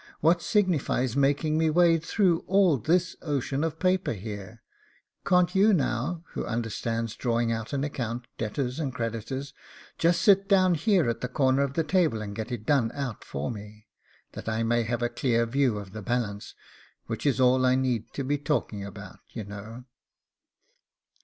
What signifies making me wade through all this ocean of papers here; can't you now, who understand drawing out an account, debtor and creditor, just sit down here at the corner of the table and get it done out for me, that I may have a clear view of the balance, which is all I need be talking about, you know?